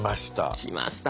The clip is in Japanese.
きました。